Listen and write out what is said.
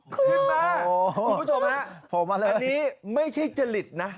คุณผู้ชมนะอันนี้ไม่ใช่เจริตนะ